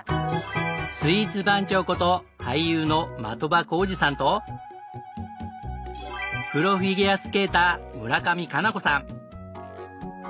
スイーツ番長こと俳優の的場浩司さんとプロフィギュアスケーター村上佳菜子さん。